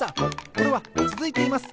これはつづいています！